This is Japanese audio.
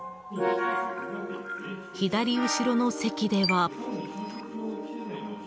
左後ろの席では。